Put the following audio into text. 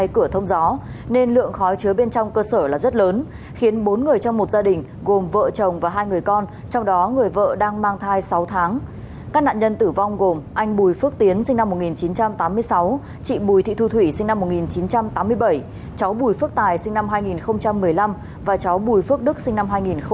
cháu bùi phước tài sinh năm hai nghìn một mươi năm và cháu bùi phước đức sinh năm hai nghìn một mươi tám